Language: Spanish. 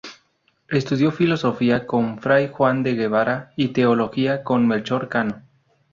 Estudió filosofía con fray Juan de Guevara y teología con Melchor Cano.